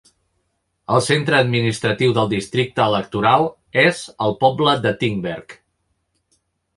El centre administratiu del districte electoral és el poble de Tingberg.